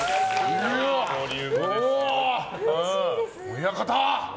親方！